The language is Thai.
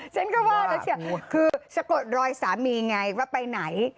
ฉันก็ว่าแล้วเชียวคือสะกดรอยสามีไงว่าไปไหน